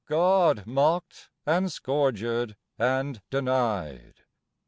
God mocked, and scourgèd, and denied!